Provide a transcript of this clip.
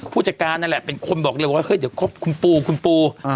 ภูเจกรแน่นั่นแหละเป็นคนบอกเลยว่าเฮ้ยเจี๊ยวคุณปู